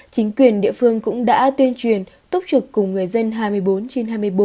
chính quyền địa phương cũng đã tuyên truyền túc trực cùng người dân hai mươi bốn trên hai mươi bốn